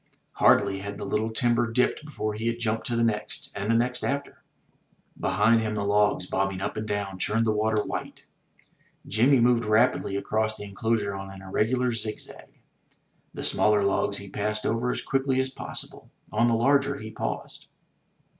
Hardly had the little timber dipped before he had jumped to the next and the next after. Behind him the logs, bobbing up and down, churned the water white. Jimmy moved rapidly across the enclosure on an irregular zig zag. The smaller logs he passed over as quickly as possible; on the larger he paused.